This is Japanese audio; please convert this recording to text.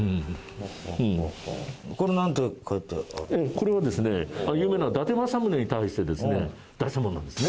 これはですね有名な伊達政宗に対してですね出したものなんですね。